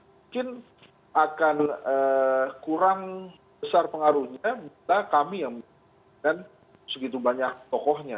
mungkin akan kurang besar pengaruhnya bisa kami yang segitu banyak tokohnya